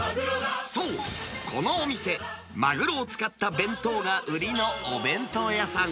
そう、このお店、マグロを使った弁当が売りのお弁当屋さん。